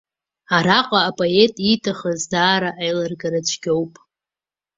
Араҟа апоет ииҭахыз даара аилыргара цәгьоуп.